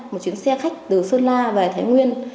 một chuyến xe khách từ sơn la về thái nguyên